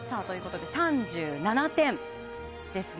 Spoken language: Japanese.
３７点ですね。